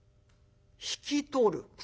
「引き取る？